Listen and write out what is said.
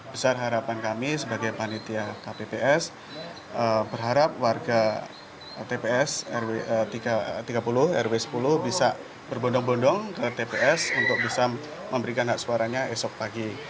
besar harapan kami sebagai panitia kpps berharap warga tps tiga puluh rw sepuluh bisa berbondong bondong ke tps untuk bisa memberikan hak suaranya esok pagi